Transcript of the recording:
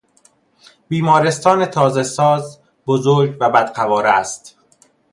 بیمارستان تازه ساز، بزرگ و بدقواره است.